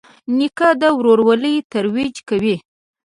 نیکه د ورورولۍ ترویج کوي.